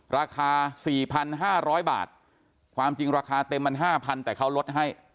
ราคา๔๕๐๐บาทความจริงราคาเต็มมัน๕๐๐แต่เขาลดให้